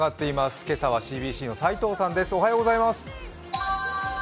今朝はＣＢＣの斉藤さんです。